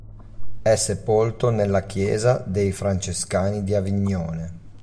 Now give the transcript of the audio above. È sepolto nella chiesa dei Francescani di Avignone.